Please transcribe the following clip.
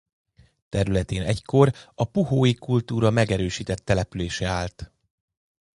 Területén egykor a puhói kultúra megerősített települése állt.